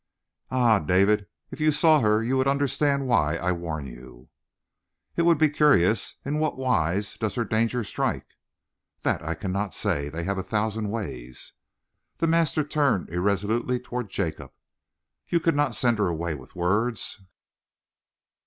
"Ah, David, if you saw her you would understand why I warn you!" "It would be curious. In what wise does her danger strike?" "That I cannot say. They have a thousand ways." The master turned irresolutely toward Jacob. "You could not send her away with words?"